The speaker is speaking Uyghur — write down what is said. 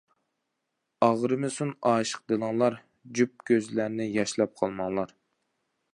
ئاغرىمىسۇن ئاشىق دىلىڭلار، جۈپ كۆزلەرنى ياشلاپ قالماڭلار.